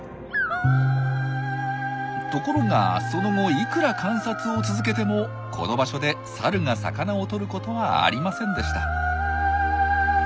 ところがその後いくら観察を続けてもこの場所でサルが魚をとることはありませんでした。